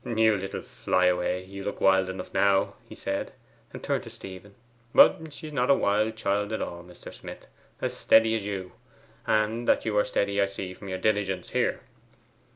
'You little flyaway! you look wild enough now,' he said, and turned to Stephen. 'But she's not a wild child at all, Mr. Smith. As steady as you; and that you are steady I see from your diligence here.